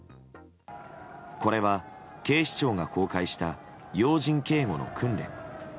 これは警視庁が公開した要人警護の訓練。